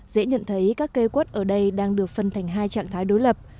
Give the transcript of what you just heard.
dễ nhận thấy các cây quất ở đây đang được phân thành hai trạng thái đối lập